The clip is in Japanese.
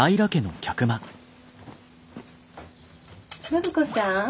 暢子さん。